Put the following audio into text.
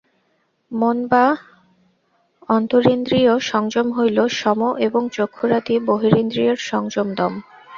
মন বা অন্তরিন্দ্রিয়-সংযম হইল শম এবং চক্ষুরাদি বহিরিন্দ্রিয়ের সংযম দম।